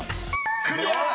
［クリア！］